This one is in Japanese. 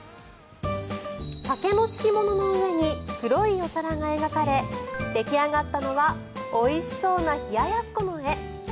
竹の敷物の上に黒いお皿が描かれ出来上がったのはおいしそうな冷ややっこの絵。